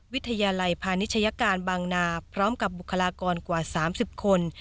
วิทยาลัยพาณิชยการบางนาพร้อมกับบุคลากรกว่า๓๐คน